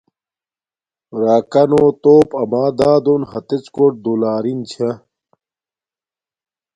راکانو توپ اما دادون ھتڎ کوٹ دولارین چھا